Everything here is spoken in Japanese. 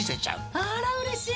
あらうれしい。